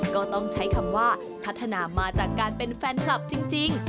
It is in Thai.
ก็ต้องใช้คำว่าพัฒนามาจากการเป็นแฟนคลับจริง